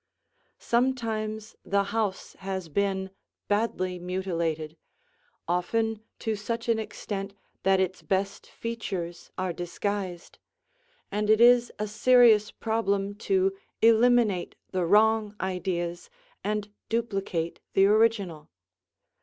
Sometimes the house has been badly mutilated, often to such an extent that its best features are disguised, and it is a serious problem to eliminate the wrong ideas and duplicate the original.